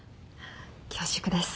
恐縮です。